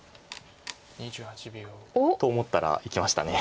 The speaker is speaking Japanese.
おっ！と思ったらいきました。